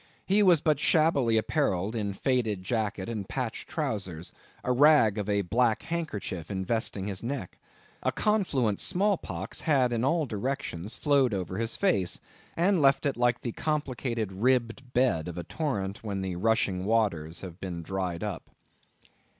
He was but shabbily apparelled in faded jacket and patched trowsers; a rag of a black handkerchief investing his neck. A confluent small pox had in all directions flowed over his face, and left it like the complicated ribbed bed of a torrent, when the rushing waters have been dried up.